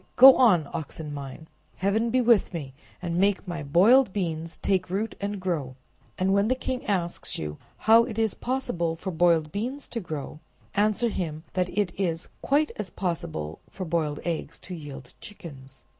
go on, oxen mine! Heaven be with me, and make my boiled beans take root and grow!' And when the king asks you how it is possible for boiled beans to grow, answer him, that it is quite as possible as for boiled eggs to yield chickens."